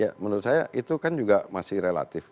ya menurut saya itu kan juga masih relatif